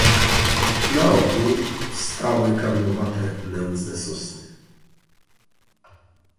"Naokół stały karłowate, nędzne sosny."